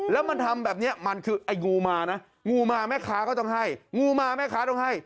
แล้วมันทำแบบนี้มันคือไอ้งูมานะงูมาแม่ค้าก็ต้องให้งูมาแม่ค้าต้องให้